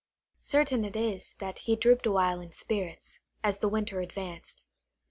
Certain it is, that he drooped awhile in spirits, as the winter advanced.